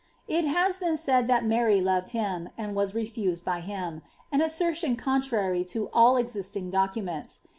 it has been said thai Mary loved him, and was refused by him — an asser tion contrary to all existing documents.